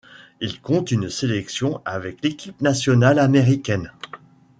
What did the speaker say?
Il compte une sélection avec l'équipe nationale américaine.